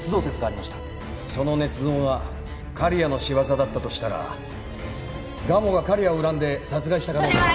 その捏造が刈谷の仕業だったとしたら蒲生が刈谷を恨んで殺害した可能性も。